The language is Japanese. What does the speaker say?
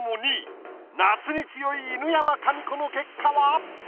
夏に強い犬山紙子の結果は？